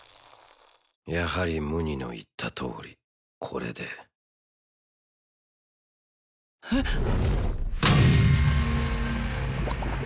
やはりムニの言ったとおりこれでえっ？